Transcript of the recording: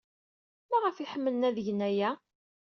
Maɣef ay ḥemmlen ad gen aya?